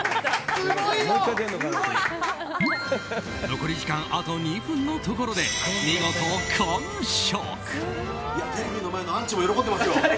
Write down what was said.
残り時間あと２分のところで見事完食！